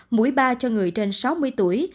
mũi ba cho người trên sáu mươi tuổi